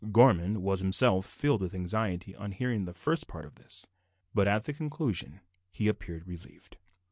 Gorman was himself filled with anxiety on hearing the first part of this, but at the conclusion he appeared relieved.